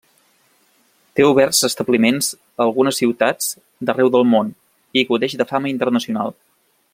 Té oberts establiments a algunes ciutats d'arreu del món i gaudeix de fama internacional.